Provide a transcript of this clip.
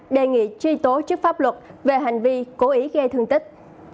đề nghị truy tố trước pháp luật về hành vi cố ý gây thương tích